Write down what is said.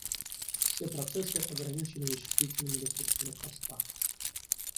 Все процессы ограничены вычислительными ресурсами хоста